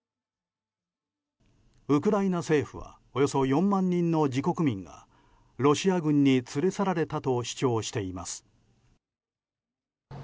ウクライナ政府はおよそ４万人の自国民がロシア軍に連れ去られたと主張しています。